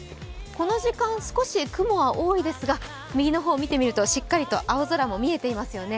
この時間、少し雲は多いですが右の方、見てみるとしっかりと青空も見えていますよね